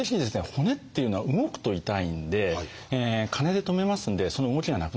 骨っていうのは動くと痛いんで金で留めますんでその動きがなくなります。